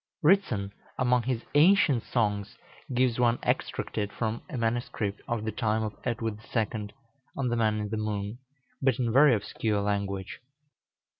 Ritson, among his "Ancient Songs," gives one extracted from a manuscript of the time of Edward II., on the Man in the Moon, but in very obscure language.